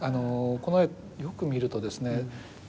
この絵よく見るとですね